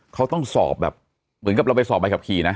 เขาต้องสอบแบบเหมือนกับเราไปสอบใบขับขี่นะ